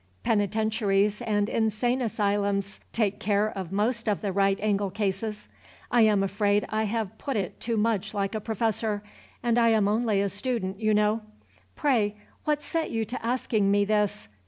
Penitentiaries and insane asylums take care of most of the right angle cases. I am afraid I have put it too much like a professor, and I am only a student, you know. Pray, what set you to asking me this?